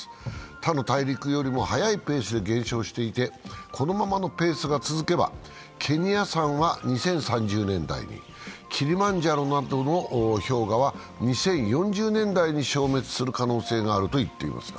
他の大陸よりも早いペースで減少していてこのままのペースが続けば、ケニア山は２０３０年代に、キリマンジャロなどの氷河は２０４０年代に消滅する可能性があるといっています。